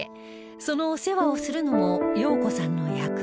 そのお世話をするのも洋子さんの役目